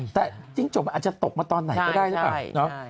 แต่จิ้งจกอาจจะตกมาตอนไหนก็ได้นะครับ